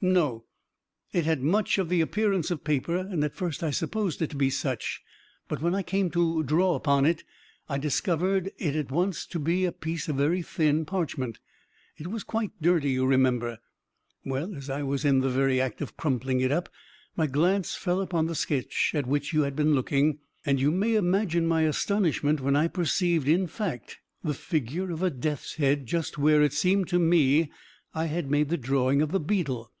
"No; it had much of the appearance of paper, and at first I supposed it to be such, but when I came to draw upon it, I discovered it at once to be a piece of very thin parchment. It was quite dirty, you remember. Well, as I was in the very act of crumpling it up, my glance fell upon the sketch at which you had been looking, and you may imagine my astonishment when I perceived, in fact, the figure of a death's head just where, it seemed to me, I had made the drawing of the beetle.